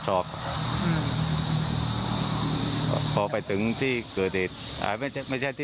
โทรไม่ติดเลย